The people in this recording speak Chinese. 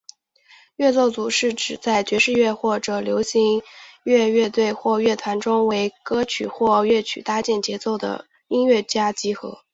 节奏组是指在爵士乐或者流行音乐乐队或乐团中为歌曲或乐曲搭建节奏的音乐家集合。